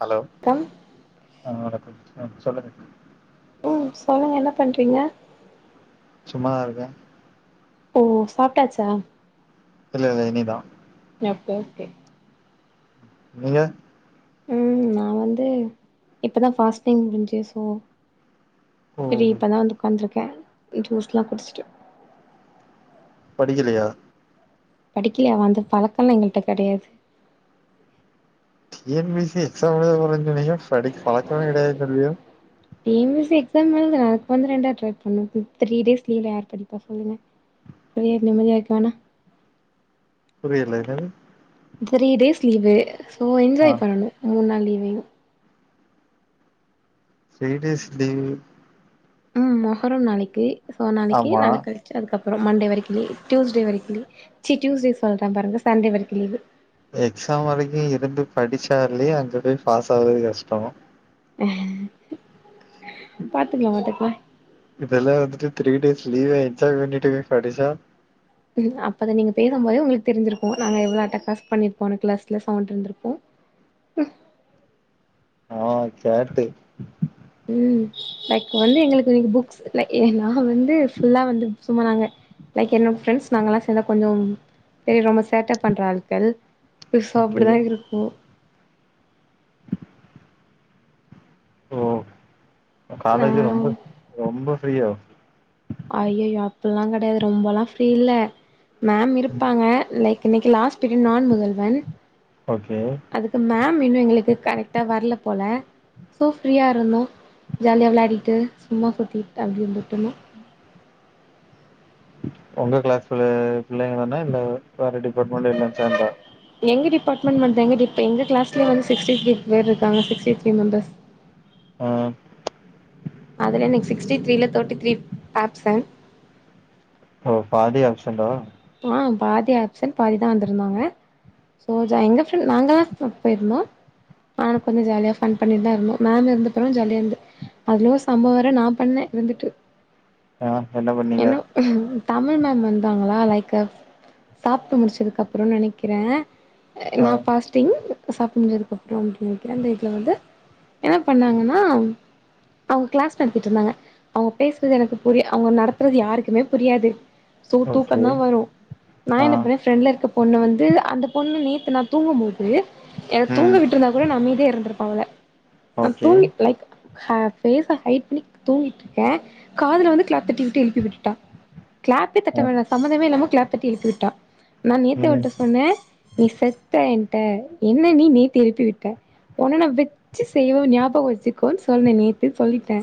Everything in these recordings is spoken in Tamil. ஹலோ கம் அ வணக்கம் அ சொல்லுங்க ம் சொல்லுங்க என்ன பண்றீங்க சும்மாதா இருக்கே ஓ சாப்டாச்சா இல்ல இல்ல இனிதா நா போ கே நீங்க ம் நா வந்து இப்பதா ஃபாஸ்டிங் முஞ்சு சோ ஓ சரி இப்பதா வந்து உக்காந்துருக்கே ஜூஸ் எல்லா குடிஸ்ட்டு படிக்கலையா படிக்கலயாவ அந்த பழக்கல்லா எங்கள்ட்ட கெடையாது டி என் பி சி எக்ஸாம்லா எழுத போறேன் சொன்னிங்க படி பழக்கமே கிடையாது சொல்றீக டி எம் சி எக்ஸாம் எழுதுற அதுக்கு வந்து ரெண்டா ட்ரை பண்ணு த்ரீ டேஸ் லீவ் யார் படிப்பா சொல்லுங்க தனியா நிம்மதியா இருக்க வேணா புரியல என்னது three days leave so enjoy ஆ பண்ணனு மூன் நாள் லீவ் வேணு சே டேஸ் லீவு ம் மொகரம் நாளைக்கி சோ நாளைக்கி ஆமா நால்ல க ழிச்சு அதுக்கப்புறம் மண்டே வரைக் லீவ் டியூஸ்டே வரைக் லீவ் சீ டியூஸ்டே சொல்றே பாருங்க சண்டே வரைக்கு லீவு எக்சாம் வரைக்கு இருந்து படிச்சாலே அங்க போய் பாஸ் ஆவுறது கஷ்டோ பாத்துக்கலா பாத்துக்கலா இதெல்லா வந்துட்டு த்ரீ டேஸ் லீவ் என்ஜாய் பண்ணிட்டு போய் படிச்சா அப்ப நீங்க பேசம் போதே உங்களுக் தெரிஞ்சிருக்கு நாங்க எவ்ளோ அட்டாகாஸ் பண்ணிர்ப்போன்னு கிளாஸ்ல சவுண்ட் இருந்திருக்கு ஆ கேட்டு ம் லைக் வந்து எங்களுக்கு புக்ஸ் லைக் நா வந்து ஃபுல்லா வந்து சும்மா நாங்க லைக் என்னோ ஃப்ரெண்ட்ஸ் நாங்க எல்லா சேந்தா கொஞ்சோம் ஏ ரொம்ப சேட்ட பண்ற ஆட்கள் சோ ஓகே இப்புடி தா இருக்கு ஓ காலேஜு ஆ ரொம்ப ரொம்ப ஃப்ரீயோ ஐய்யய்யோ அப்பல்லா கிடையாது ரொம்பல்லா ஃப்ரீ இல்ல மேம் இருப்பாங்க லைக் இன்னைக்கு லாஸ்ட் பிரிட் நான் முதல்வன் ஓகே அதுக்கு மேம் இன்னு எங்குளுக்கு கரெக்டா வரல்ல போல ஸோ ஃப்ரீயா இருந்தோ ஜாலியா விளாடிட்டு சும்மா சுத்திட் அப்பிடி இருந்துட்டுருந்தோ உங்க கிளாஸ்ல்ல பிள்ளைங்க வேனா இல்ல வேற டிபார்ட்மெண்ட் எல்லா சேந்தா எங்க டிபார்ட்மண்ட் மட்டு்தாங்க இப்ப எங்க கிலாஸ்ல வந் சிக்ஸ்டி த்ரி பேர் இருக்காங்க சிக்ஸ்டி த்ரீ மெம்பர்ஸ் ஆ அதல எனக் சிக்ஸ்டி த்ரீல தேர்ட்டி த்ரீ ஆப்சென்ட் ஓ பாதி ஆப்ஷன்டா ஆ பாதி ஆப்சன்ட் பாதிதா வந்திருந்தாங்க ஸோ ஜா எங்க ஃப்ரெண்ட் நாங்க தா பப் போயிருந்தோ நானு கொஞ்சோ ஜாலியாஃபன் பண்ணிட்டுதா இருந்தோ மேம் இருந்தப்புறோ ஜாலியா இருந்து அதுலோ ஓர் சம்பவோ வேர நா பண்ணே இருந்துட்டு ஏ என்ன பண்ணீங்க ஏன்னா தமிழ் மேம் வந்தாங்களா லைக் கு சாப்ட்டு முடிச்சதுக்கப்புறோனு நெனைக்கிறே ஆ நா பாஸ்ட் டிங் சாப்ட்டு முஞ்சதுக்கப்புறோ அப்டின்னு நனைக்கிறே அந்த இதுல வந்து என்ன பண்ணாங்கன்னா அவுங்க கிளாஸ் நடத்திட்ருந்தாங்க அவுங்க பேசுறது எனக்கு புரியு அவுங்க நடத்துறது யாருக்குமே புரியாது சோ தூக்கோ ஓகே தா வரு நா ஆ என்ன பண்ணுவே ஃப்ரெண்ட்ல இருக்க பொண்ணு வந்து அந்த பொண்ணு நேத்து நா தூங்கு போது என்ன தூங்க ம் விட் டுருந்தா கூட நா அமைதியா இருந்திருப்ப அவள நா ஓகே தூங்கி லைக் ஹ பேஸ ஹைட் பண்ணி தூங்கிட்ருக்கே காதுல வந்து கிளாப் தட்டிவிட்டு எழுப்பி விட்டுட்டா கிளாப்பே தட்ட ஆ வேணா சம்பந்தமே இல்லாம கிளாப் தட்டி எழுப்பி விட்டா நா நேத்தே ம் அவளுட்ட சொன்ன நீ செத்த என்ட்ட என்ன நீ எழுப்பி விட்ட உன்ன நா வெச்சி செய்வே ஞாபகோ வெச்சுக்கோன் சொன்ன நேத்தே சொல்லிட்டே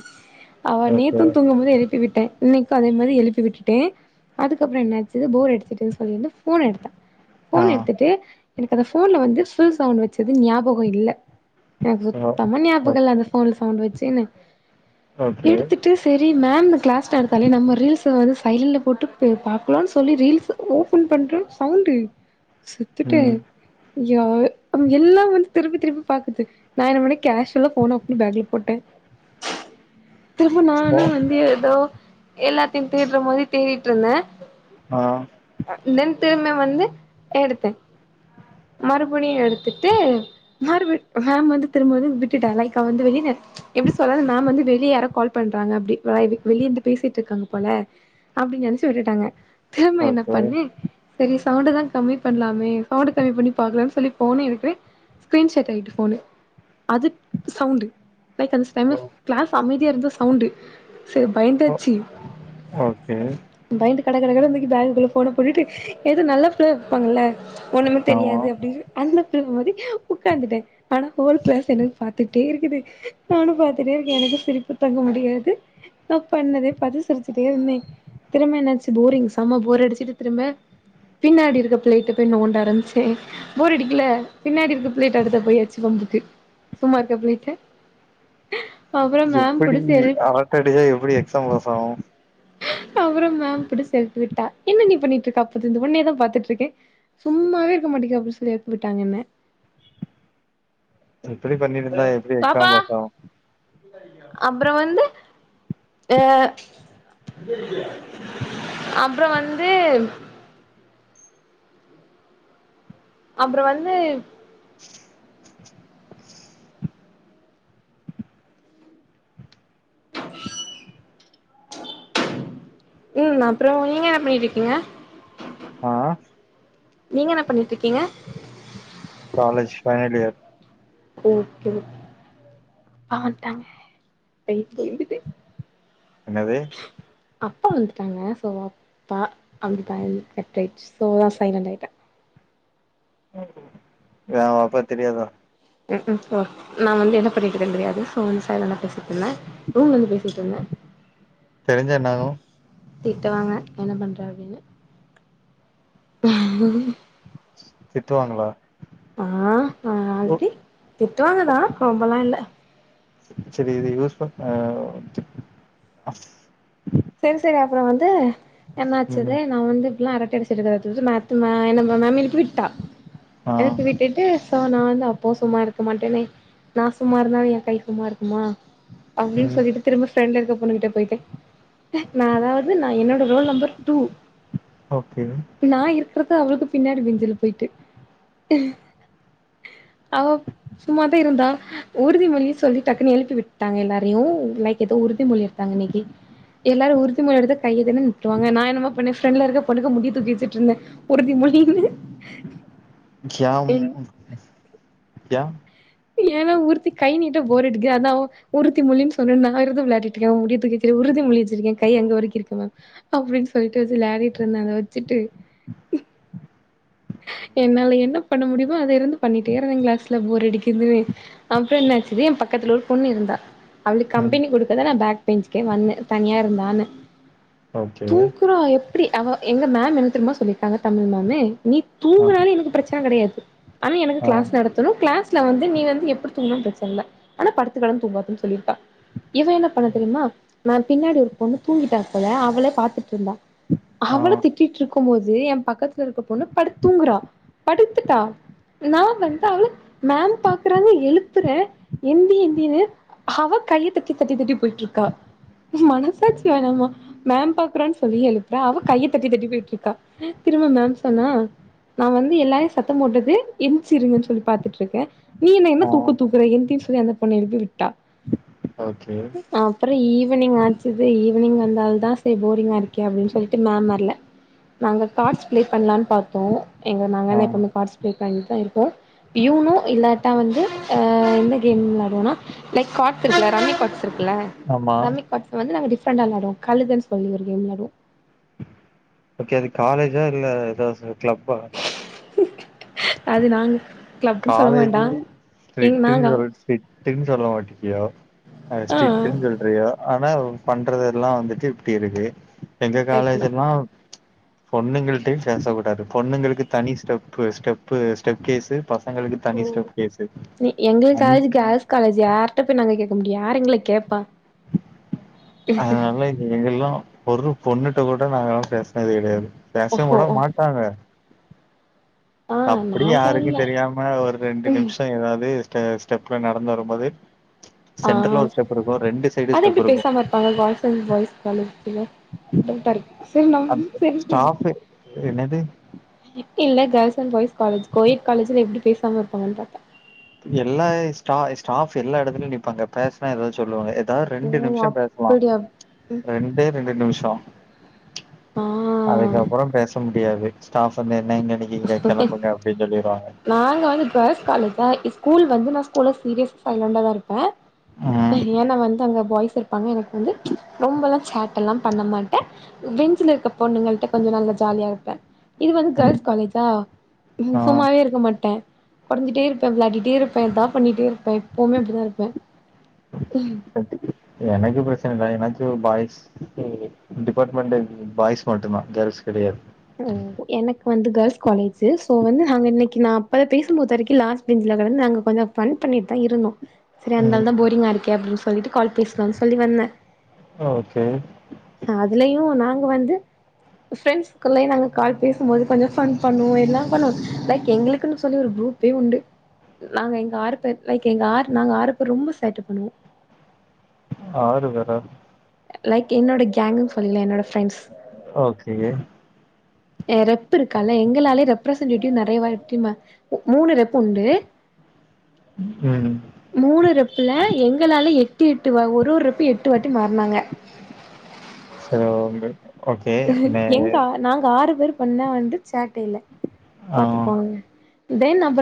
அவ ஓகே நேத்தும் தூங்கும்போது எழுப்பி விட்டே இன்னைக்கோ அதே மாரி எழுப்பி விட்டுட்டே அதுக்கப்புறோ என்னாச் சு போர் எடுத்துட்டுன்னு சொல்லி வந்து ஃபோன் எடுத்தா ஆ ஃபோன் எடுத்துட்டு எனக்கு அந்த ஃபோன்ல வந்து ஃபுல் சவுண்ட் வெச்சது ஞாபகோ இல்ல எனக்கு ஓ சுத்தமா ஓ ஞாபகோ அந்த ஃபோன்ல சவுண்ட் வெச்சுன்னு ஓகே எடுத்துட்டு செரி மேம்ங்க கிளாஸ் நடத்தாலே நம்ம ரீல்ஸ வந்து சைட்ல போட்டு பே பா க்லான் சொல்லி ரீல்ஸ் ஓபன் பண்றே சவுண்டு செத்துட்டே ம் அ எல்லா வந்து திரும்பி திரும்பி பாக்குது நா என்ன பன்னே கேஷ்வலா ஃபோன ஆஃப்பன்னி பேக்ல போட்டே திரும்ப ஓ நானும் வந்து எதோ எல்லாத்தையு தேடுற மாரி தேடிட்ருந்தே ஆ தென் திரும்ப வந்து எடுத்தே மறுபடியு எடுத்துட்டு மறுபடி மேம் வந்து திரும்ப வந்து விட்டுட்டா லைக்கா அவ வந்து வெளில எப்டி சொல்றது மேம் வந்து வெளிய யாரோ கால் பண்றாங்க அப்டி வ வி வெளியே இருந்து பேசிட்ருக்காங்க போல அப்டி நெனைச்சு விட்டுட்டாங்க திரும்ப என்ன ஓகே பண்ணே சரி சவுண்டதா கம்மி பண்லாமே சவுண்டு கம்மி பண்ணி பாக்கலாம்னு சொல்லி ஃபோனே எடுக்கிறே ஸ்க்ரீன்ஷாடாயுட்டு ஃபோனு அதுக் சவுண்டு லைக் அந்த டைம்ல ஓ கிளாஸ் அமைதியா இருந்தா சவுண்டு சரி ஓ பயந்தாச்சு ஓகே பயந்து கட கட கடனு தூ க்கி பேக்குகுள்ள ஃபோன போட்டுட்டு எதும் நல்ல புள்ளயா இருப்பாங்கள ஒண்ணுமே ஆமா தெரியாது அப்டின்னு அந்த புள்ள மாரி ஒக்காந்துட்டே ஆனா ஹோல் கிளாஸ் எனக்கு பாத்துட்டே இருக்குது நானு பாத்துட்டே இருக்கே எனக்கு சிரிப்பு தாங்க முடியாது நா பண்ணதே பாத்து சிரிச்சுட்டே இருந்தே திரும்ம என்னாச்சு போரிங்ஸ் சம போரடிச்சுட்டு திரும்ப பின்னாடி இருக்க பிளைட்ட போய் நோண்ட ஆரம்பிச்சே போர் அடிக்குல பின்னாடி இருக்கு பிளேட்ட அடுத்த போயாச்சு வம்புக்கு சும்மா இருக்க பிளேட்ட அப்றோ மேம் எப்டி புடிச்சு நீங்க எல் இப் அரட்ட அடிச்சா எப்டி எக்ஸாம் பாஸ் ஆவோ அப்புறோ மேம் புடிச்சு எழுப்பி விட்டா என்ன நீ பண்ணிட்டு இருக்க அப்பதுல இருந்து ஒன்னய தா பாத்துட்டு இருக்கே சும்மாவே இருக்க மாட்டேங்க அப்டி சொல்லி எழுப்பி விட்டாங்க என்ன இப்டி பண்ணிட்டு இருந்தா எப்டி எக்ஸாம் பாஸ் ஆவோ அப்பறோ வந்து ஆ அப்புறோ வந்து அப்புறோ வந்து ம் அப்புறோ நீங்க என்ன பண்ணிட்டு இருக்கீங்க ஆ நீங்க என்ன பண்ணிட்டு இருக்கீங்க college final year okay okay ஆ வந்ட்டாங்க நைட்டு தூங்கிட்டே என்னது அப்பா வந்துட்டாங்க ஸோ அப்பா அங்கு பாதிலேயே கட் ஆயிடுச்சு ஸோ சைலன்ட் ஆயிட்டே ஏன் ஓன் அப்பாக்கு தெரியாதோ ம் ம் போ நா வந்து என்ன பண்ணிட்டுருக்கேனு தெரியாது சோ வந்து சைலன்ட்டா பேசிட்டு இருந்தே ரூம்ல இருந்து பேசிட்டு இருந்தே தெரிஞ்சா என்ன ஆகு திட்டுவாங்க என்ன பண்ற அப்டினு திட்டுவாங்களா ஆ ஆ ஓ ஆல்ரெடி திட்டுவாங்கதா ரொம்பல்லா இல்ல சேரி இது யூஸ் பண் ஆ சேரி சேரி அப்புறோ வந்து என்னாச்சது ம் நா வந்து இப்டில்லா அரட்டடிச் திட்டுங்க [unintelligible] மேத்து மே என்ன மே மேம் எழுப்பி விட்டா ஆ எழுப்பி விட்டுட்டு ஸோ நா வந்து அப்பவு சும்மா இருக்க மாட்டேனே நா சும்மா இருந்தாலு என் கை சும்மா இருக்குமா அப்டின்னு ம் சொல்லிட்டு திரும்ப ப்ரெண்ட்ல இருக்க பொண்ணு கிட்ட போய்ட்டே நா அதாது நா என்னோட ரோல் நம்பர் டூ ஓகே இப்ப நா இருக்கறது அவளுக்கு பின்னாடி பெஞ்சுல போயிட்டு அவப் சும்மா தா இருந்தா உறுதிமொழினு சொல்லி டக்குனு எழுப்பி விட்டாங்க எல்லாரயு லைக் எதோ உறுதிமொழியா ட்டாங்க இன்னிக்கி எல்லாரு உறுதிமொழி எடுத்தா கைய தான நிட்டு வாங்க நா என்னமா பண்ணே ஃப்ரண்ட்ல இருக்க பொண்ணுங்க முடிய தூக்கி வச்சுட்டு இருந்தே உறுதிமொழினு கியாம் ம் ம் கியா ஏனா உறுதி கை நீட்ட போர் அடிக்கு அதா உறுதி மொழினு சொன்னா நா எதோ வெளயாடிட்டு இருக்க அவ முடிய தூக்கி வச்சி சரி உறுதி மொழி வச்சிருக்கே கை அங்க வரைக்கி இருக்கு மேம் அப்டின் சொல்லிட்டு சரி வெளாடிட்டு இருந்தே அத வச்சுட்டு என்னால என்ன பண்ண முடியுமோ அத இருந்து பண்ணிட்டே இருந்தே கிளாஸ்ல போர் அடிக் இருந்ததுமே அப்பறோ என்னச்சு என் பக்கத்துல ஒரு பொண்ணு இருந்தா அவளுக்கு ம் கம்பெனி கொடுக்கதா நா பேக் பெஞ்சுக்கே வந்தே தனியா இருந்தானு ஓகே தூக்குறா எ ப்டி அவ எங்க மேம் என்ன தெரியுமா சொல்லிருக்காங்க தமிழ் மேமு நீ தூ ஆ எனக்கு பிரச்சன கெடையாது ஆனா எனக்கு ஆ கிளாஸ் நடத்தணும் கிளாஸ் ல வந்து நீ வந்து எப்டி தூங்கணும் பிரச்சன இல்ல ஆனா படுத்து கெடந்து தூங்காதன்னு சொல்லிருப்பா இவா என்ன பண்ணா தெரியுமா மேம் பின்னாடி ஒரு பொண்ணு தூங்கிட்டா போல அவளே பாத்துட்டு இருந்தா ஆ அவள திட்டிட்டு இருக்கும் போது என் பக்கத்துல இருக்க பொண்ணு படுத் தூங்குறா படுத்துட்டா நா வந்து அவள மேம் பாக்குறாங்க எழுப்புற எந்தி எந்தினு அவா கைய தட்டி தட்டி தட்டி போயிட்டு இருக்கா மனசாட்சி வேணாமா மேம் பாக்குறான் சொல்லி எழுப்புற அவா கைய தட்டி தட்டி போயிட்டு இருக்கா திரும்ப மேம் சொன்னா நா வந்து எல்லாரையும் சத்தம் போட்டது எந்திச்சிருங்கன்னு சொல்லி பாத்துட்டு இருக்கேன் நீ என்ன என்ன ஆ தூக்க தூக்குற எந்தின் சொல்லி அந்த பொண்ண எழுப்பி விட்டா ஓகே அப்புறம் ஈவினிங் ஆச்சுது ஈவினிங் வந்தால் தான் சேரி போரிங்கா இருக்கே அப்டின்னு சொல்லுட்டு மேம் வரல நாங்க கார்ட்ஸ் பிளே பண்லான் பாத்தோம் எங்க நாங்க ஆ என்ன இப்போ கார்ட்ஸ் பிளே பண்ணிட்டுதான் இருக்கோம் யூனும் இல்லாட்டா வந்து அ எந்த கேம் வெளாடுவோனா லைக் கார்ட்ஸ் இருக்குல்ல ரம்மி கார்ட்ஸ் இருக்குல்ல ஆமா ரம்மி கார்ட்ஸ் வந்து நாங்க டிஃப்ரெண்டா வெளாடுவோம் கழுதன்னு சொல்லி ஒரு கேம் வெளாடுவோம் ஓகே அது காலேஜா இல்ல ஏதாவது கிளப்பா அது நாங்க கிளப்ன்னு சொல்ல மாட்டான் எங்க நாங்க ஸ்ட்ரிட்ன்னு சொல்ல மாட்டிக்கியோ ஆ ஸ்ட்ரிட்ன்னு சொ சொல்றியோ ஆனா இவ பண்றது எல்லாம் வந்துட்டு இப்டி இருக்கு எங்க காலேஜ் லைக்ல எல்லா பொண்ணுங்கள்ட்டே பேசக் கூடாது பொண்ணுங்களுக்கு தனி ஸ்டெப்பு ஸ்டெப்பு ஸ்டெப் கேசு எங்களுக்கு தனி ஸ்டெப் கேசு காலேஜி யார்ட்ட போய் நாங்க கேக்க முடியும் யார் எங்கள கேப்பா அதனால எங்கெல்லாம் ஒரு பொண்ணுட்ட கூட நாங்கல்லா பேசினது கெடையாது பேசுவும் ஓஹோ கூட மாட் ட்டாங்க ஆ அப்டியே நாங்க யாருக்கும் இல்ல தெரியாம ஒரு ரெண்டு நிமிஷம் ஏதாவது ஸ்ட ஸ்டெப்ல நடந்து வரும்போது ஆ சென்டர்ல ஒரு ஸ்டெப் இருக்கு ரெண்டு சைடு அது ஸ்டெப் எப்டி இருக்கு பேசாம இருப்பாங்க பாய்ஸ் அண்ட் கேர்ள்ஸ் காலேஜ்ல [unintelligible] சேரி நா அந்த சேரி சேரி ஸ்டாஃபு என்னது இல்ல girls and boys college coed காலேஜ்ல எப்டி பேசாம இருப்பாங்கன் பாத்த எல்லா ஸ்டா ஸ்டாப் எல்லா எடத்துலயும் நிப்பாங்க பேசுனா ஏதாவது சொல்லுவாங்க அதான் ரெண்டு ஓ நிமிஷம் பேசலாம் அப்டியா ரெண்டே ரெண்டு நிமிஷம் ஆ அதுக்கப்புறம் பேச முடியாது ஸ்டாப் வந்து என்ன இங்க நிக்கிறீங்க கெளம்புங்க அப்படின் சொல்லிருவாங்க நாங்க வந்து கேர்ள்ஸ் காலேஜ்ஜா ஸ்கூல் வந்து நா ஸ்கூல்ல சீரியஸ் சைலண்டா தா இருப்ப ம் ஏன்னா அங்க வந்து அங்க பாய்ஸ் இருப்பாங்க எனக்கு வந்து ரொம்பெல்லாம் சேட்ட எல்லாம் பண்ண மாட்ட பெஞ்சுல இருக்க பொண்ணுங்கள்ட்ட கொஞ்சம் நல்லா ஜாலியா இருப்ப இது வந்து ம் கேர்ள்ஸ் காலேஜா ஆ சும்மாவே இருக்க மாட் ட்ட கொடஞ்சிட்டே இருப்ப விளையாடிட்டே இருப்ப எதா பண்ணிட்டே இருப்ப எப்பவுமே அப்படிதான் இருப்ப உம் எனக்கு பிரச்சன இல்ல எனக்கு பாய்ஸ் டிபார்ட்மெண்ட்டு பாய்ஸ் மட்டும்தான் கேர்ள்ஸ் கெடையாது ஓ எனக்கு வந்து கேர்ள்ஸ் காலேஜ்ஜி சோ வந்து நாங்க இன்னைக்கு நா அப்பதே பேசும்போது வரைக்கும் லாஸ்ட் பெஞ்சுல உக்காந்து நாங்க கொஞ்சம் ஃபன் பண்ணிட்டு தா இருந்தோம் சரி ம் அந்னாலதான் போரிங்கா இருக்கே அப்படின்னு சொல்லிட்டு கால் பேசலான் சொல்லி வந்த ஓகே அதுலயும் நாங்க வந்து ஃப்ரெண்ட்ஸ் க்குள்ளயே நாங்க கால் பேசும்போது கொஞ்சம் ஃபன் பண்ணுவோம் எல்லாம் பண்ணுவோம் லைக் எங்களுக்குன் சொல்லி ஒரு குரூப்பே உண்டு நாங்க எங்க ஆரு பேரு லைக் எங்க ஆரு நாங்க ஆறு பேர் ரொம்ப சேட்டு பண்ணுவோ ஆரு பேற லைக் என்னோட கேங்கன்னு சொல்லிலே என்னோட ஃப்ரெண்ட்ஸ் ஓகே ரெப் இருக்கால்ல எங்களாலயே ரெப்ரசன்டேட்டிவ் நெறைய வாட்டி மூணு ரெப் உண்டு [inaudible] ம் மூணு ரெப்ல்ல எங்களால எட்டு எட்டு வா ஒரோ ஒரு ரப்ப எட்டு வாட்டி மாறினாங்க சேரி ஓங்க எங்க நாங்க ஆறு பேர் பண்ண வந்து சேட்டையில ஆ பாத்துக்கோங்க தென் நபர்